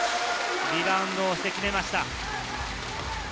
リバウンドをして決めました。